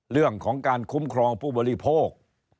เรื่องของการคุ้มครองผู้บริโภค